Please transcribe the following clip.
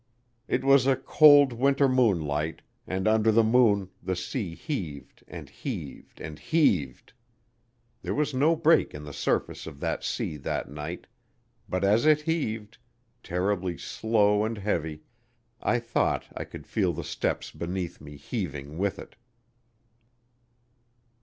It was a cold winter moonlight, and under the moon the sea heaved and heaved and heaved. There was no break in the surface of that sea that night, but as it heaved, terribly slow and heavy, I thought I could feel the steps beneath me heaving with it.